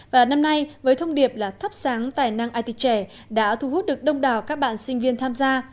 và năm nay với thông điệp là thắp sáng tài năng it trẻ đã thu hút được đông đảo các bạn sinh viên tham gia